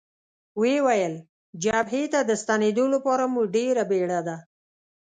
ویې ویل: جبهې ته د ستنېدو لپاره مو ډېره بېړه ده.